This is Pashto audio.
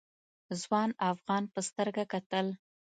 ځوان افغان په سترګه کتل.